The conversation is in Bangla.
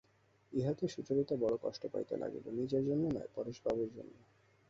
ইহাতে সুচরিতা বড়ো কষ্ট পাইতে লাগিল– নিজের জন্য নহে, পরেশবাবুর জন্য।